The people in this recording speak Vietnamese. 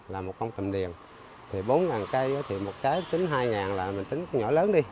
là một con tầm điền thì bốn cây thì một cái tính hai là mình tính cái nhỏ lớn đi